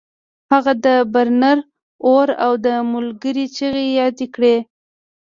هغه د برنر اور او د ملګري چیغې یادې کړې